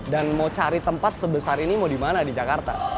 dan mau cari tempat sebesar ini mau dimana di jakarta